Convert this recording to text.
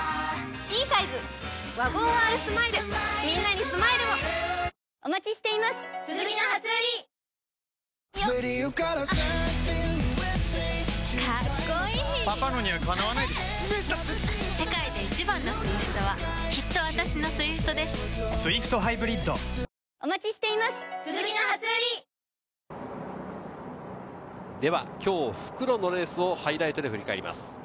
見事な総合優勝、今日、復路のレースをハイライトで振り返ります。